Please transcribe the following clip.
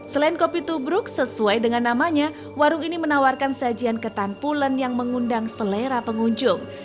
selain kopi tubruk sesuai dengan namanya warung ini menawarkan sajian ketan pulen yang mengundang selera pengunjung